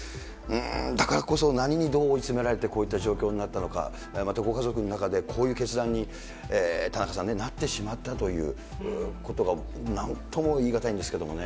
だからこそ、何にどう追い詰められて、こういった状況になったのか、また、ご家族の中でこういう決断に、田中さんね、なってしまったということがなんとも言い難いんですけれどもね。